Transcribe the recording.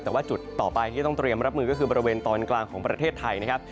แต่ว่าจุดต่อไปที่ต้องเตรียมรับมือก็คือบริเวณตอนกลางของประเทศไทยนะครับ